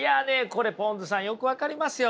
これぽんづさんよく分かりますよ。